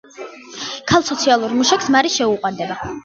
ქალ სოციალურ მუშაკს მარი შეუყვარდება.